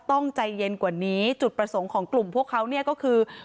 ใจเย็นกว่านี้จุดประสงค์ของกลุ่มพวกเขาเนี่ยก็คือ